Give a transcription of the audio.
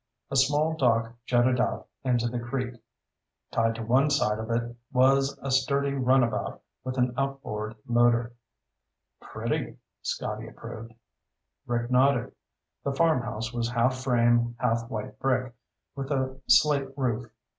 A small dock jutted out into the creek. Tied to one side of it was a sturdy runabout with an outboard motor. "Pretty," Scotty approved. Rick nodded. The farmhouse was half frame, half white brick, with a slate roof.